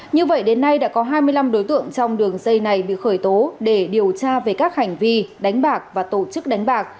như vậy đến nay đã có hai mươi năm đối tượng trong đường dây này bị khởi tố để điều tra về các hành vi đánh bạc và tổ chức đánh bạc